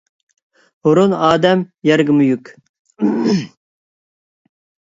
ھورۇن ئادەم يەرگىمۇ يۈك.